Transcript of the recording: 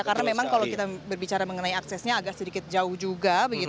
karena memang kalau kita berbicara mengenai aksesnya agak sedikit jauh juga